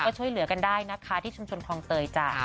ก็ช่วยเหลือกันได้นะคะที่ชุมชนคลองเตยจ้ะ